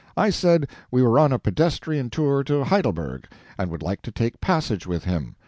I said we were on a pedestrian tour to Heidelberg, and would like to take passage with him.